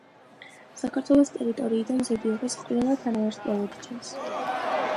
საქართველოს ტერიტორიიდან ზოდიაქოს ყველა თანავარსკვლავედი ჩანს.